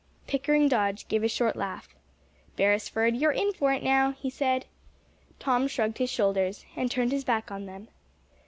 Pickering Dodge gave a short laugh. "Beresford, you're in for it now," he said. Tom shrugged his shoulders, and turned his back on them.